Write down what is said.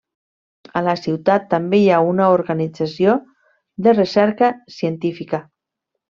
A la ciutat també hi ha una organització de recerca científica.